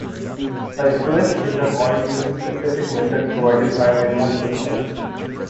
A request is a call to a specific method provided by a remote system.